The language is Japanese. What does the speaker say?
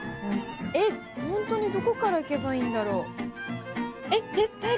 えっホントにどこからいけばいいんだろう？